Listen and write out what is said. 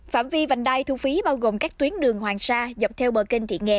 phạm vi vành đai thu phí bao gồm các tuyến đường hoàng sa dọc theo bờ kênh thị nghè